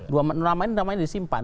dua menurut saya ini namanya disimpan